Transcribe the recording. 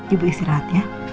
ibu istirahat ya